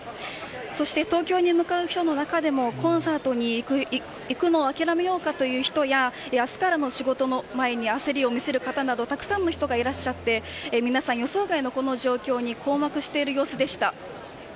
そして、東京に向かう人の中でもコンサートに行くのを諦めようかという人や明日からの仕事の前に焦りを見せる方などたくさんの人がいらっしゃって皆さん、予想外の状況に困惑している様子でした。